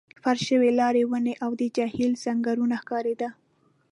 فرش شوي لار، ونې، او د جهیل څنګلوری ښکارېد.